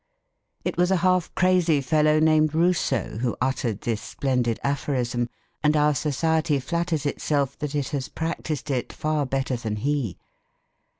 It was a half crazy fellow named Rousseau who uttered this splendid aphorism and our society flatters itself that it has practised it far better than he.